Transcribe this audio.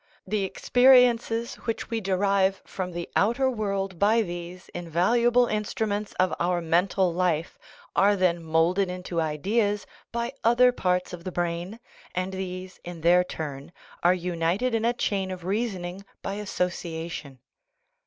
The experiences which we derive from the outer world by these invaluable instru ments of our mental life are then moulded into ideas by other parts of the brain, and these, in their turn, are united in a chain of reasoning by association.